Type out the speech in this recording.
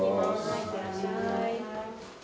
はいいってらっしゃい。